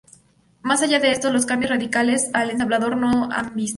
Más allá de esto, los cambios radicales al ensamblador no se han visto.